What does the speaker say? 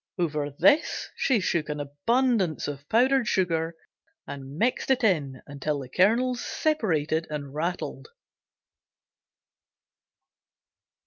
Over this she shook an abundance of powdered sugar and mixed it in until the kernels separated and rattled.